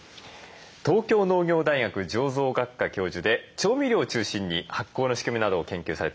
東京農業大学醸造学科教授で調味料を中心に発酵の仕組みなどを研究されています